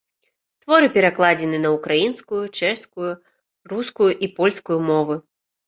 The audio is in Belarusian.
Творы перакладзены на ўкраінскую, чэшскую, рускую і польскую мовы.